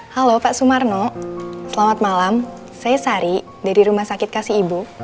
halo pak sumarno selamat malam saya sari dari rumah sakit kasih ibu